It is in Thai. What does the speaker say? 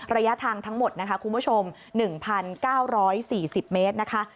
ระยะทางทั้งหมดนะคะคุณผู้ชม๑๙๔๐เมตรนะคะ